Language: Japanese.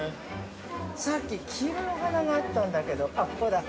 ◆さっき黄色いお花があったんだけど、あ、ここだ。